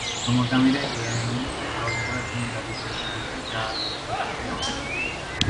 সমকামীরা এই আইন রদ করার জন্য দাবী করে চলেছে।